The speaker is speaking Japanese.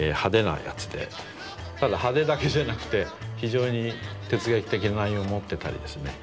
ただ派手だけじゃなくて非常に哲学的な内容を持ってたりですね